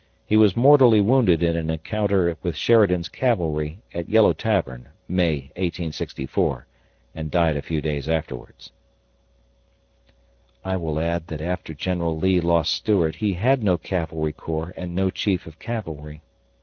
He was mortally wounded in an encounter with Sheridan's cavalry at Yellow Tavern, May, 1864, and died a few days afterward. I will add that after General Lee lost Stuart he had no cavalry corps and no Chief of Cavalry.